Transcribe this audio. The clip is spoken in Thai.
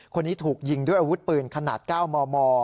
คนนี้ถูกยิงด้วยอาวุธปืนขนาด๙มม